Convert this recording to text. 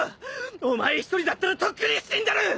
お前一人だったらとっくに死んでる！